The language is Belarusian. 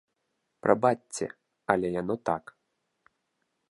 Прабачце, але яно так.